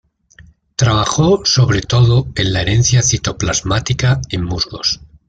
Trabajó sobre todo en la herencia citoplasmática en musgos.